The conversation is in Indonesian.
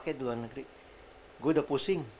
kayak di luar negeri gue udah pusing